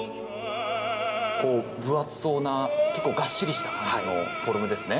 分厚そうな結構がっしりとした感じのフォルムですね。